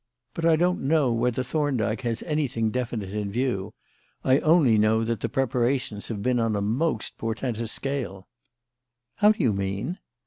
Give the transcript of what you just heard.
But I don't know whether Thorndyke has anything definite in view; I only know that the preparations have been on a most portentous scale." "How do you mean?"